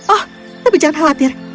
oh tapi jangan khawatir